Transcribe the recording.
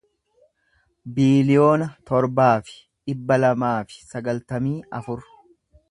biiliyoona torbaa fi dhibba lamaa fi sagaltamii afur